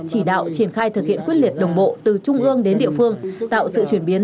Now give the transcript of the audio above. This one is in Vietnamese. chỉ đạo triển khai thực hiện quyết liệt đồng bộ từ trung ương đến địa phương tạo sự chuyển biến